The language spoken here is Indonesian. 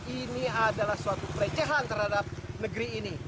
ini adalah suatu pelecehan terhadap negeri ini